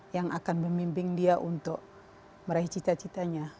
yang akan memimbing dia untuk meraih cita citanya